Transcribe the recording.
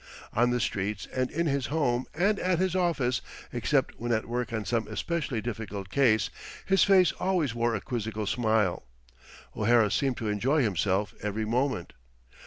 On the streets and in his home and at his office except when at work on some especially difficult case his face always wore a quizzical smile. O'Hara seemed to enjoy himself every moment.